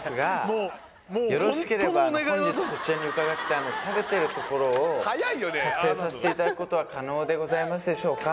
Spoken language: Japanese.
☎はいあの私食べているところを撮影させていただくことは可能でございますでしょうか？